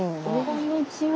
こんにちは。